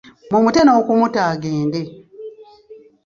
Mumute n'okumuta agende.